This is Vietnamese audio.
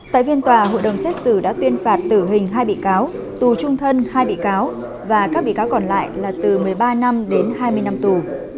tại viên tòa hội đồng xét xử đã tuyên phạt tử hình hai bị cáo tù trung thân hai bị cáo và các bị cáo còn lại là từ một mươi ba năm đến hai mươi năm tù